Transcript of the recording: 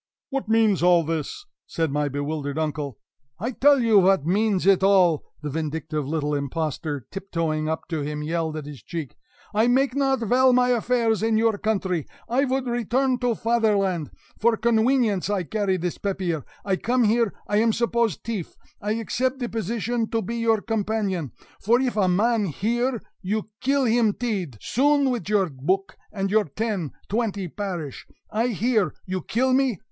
"What means all this?" said my bewildered uncle. "I tell you vat means it all!" the vindictive little impostor, tiptoeing up to him, yelled at his cheek. "I make not vell my affairs in your country; I vould return to Faderlant; for conwenience I carry dis pappeer. I come here; I am suppose teaf; I accept de position to be your companion, for if a man hear, you kill him tead soon vid your book and your ten, twenty parish! I hear! You kill me!